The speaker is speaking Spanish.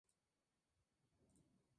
Murió de tuberculosis a los dieciocho años.